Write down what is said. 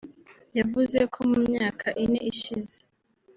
yavuze ko mu myaka ine ishize